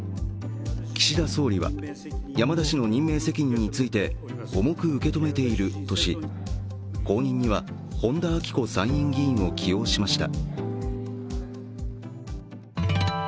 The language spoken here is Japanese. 岸田総理は山田氏の任命責任について重く受け止めているとし後任には、本田顕子参院議員を起用しました。